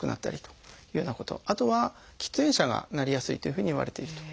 あとは喫煙者がなりやすいというふうにいわれていると。